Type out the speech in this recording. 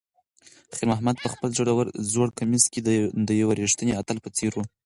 خیر محمد په خپل زوړ کمیس کې د یو ریښتیني اتل په څېر و.